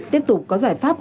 tiếp tục có giải pháp